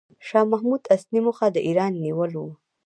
شاه محمود اصلي موخه د ایران نیول و.